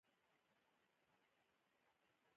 د هیواد لویه برخه ثروت یې په لاس کې وي.